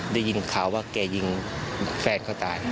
ได้ยินข่าวว่าแกยิงแฟนเขาตาย